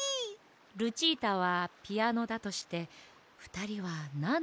ルチータはピアノだとしてふたりはなんのがっきがいいかしら？